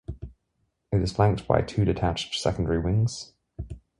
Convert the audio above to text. It is flanked by two detached secondary wings.